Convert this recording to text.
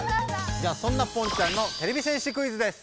じゃあそんなポンちゃんのてれび戦士クイズです。